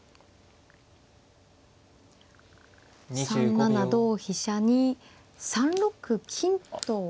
３七同飛車に３六金と。